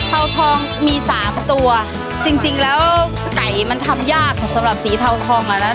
เทาทองมีสามตัวจริงจริงแล้วไก่มันทำยากสำหรับสีเทาทองอ่ะนะ